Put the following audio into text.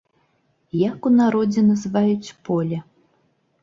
Як у народзе называюць поле?